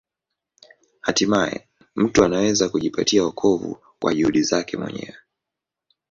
Hatimaye mtu anaweza kujipatia wokovu kwa juhudi zake mwenyewe.